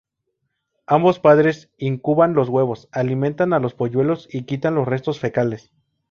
Ambos padres incuban los huevos, alimentan a los polluelos y quitan los restos fecales.